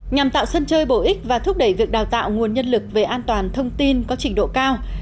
nhằm tạo sân chơi bổ ích và thúc đẩy việc đào tạo nguồn nhân lực về an toàn thông tin có trình độ cao